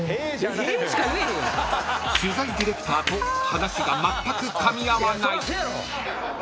［取材ディレクターと話がまったくかみ合わない］